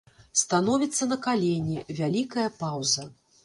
Становіцца на калені, вялікая паўза.